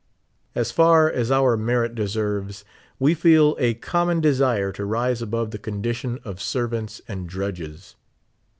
As far as our merit deserves, we feel a common desire to rise above the condition of servants and drudges.